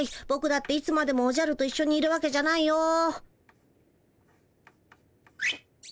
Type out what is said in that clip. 「ぼくだっていつまでもおじゃるといっしょにいるわけじゃないよ」。